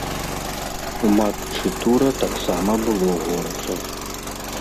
У матчы тура таксама было горача.